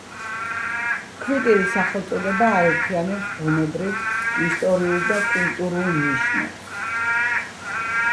ქვიტირის სახელწოდება აერთიანებს ბუნებრივ, ისტორიულ და კულტურულ ნიშნებს.